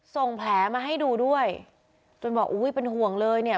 ส่งแผลมาให้ดูด้วยจนบอกอุ้ยเป็นห่วงเลยเนี่ย